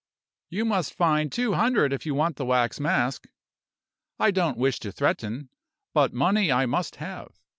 "You must find two hundred if you want the wax mask. I don't wish to threaten but money I must have.